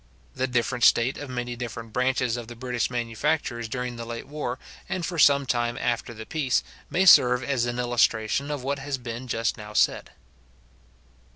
The different state of many different branches of the British manufactures during the late war, and for some time after the peace, may serve as an illustration of what has been just now said.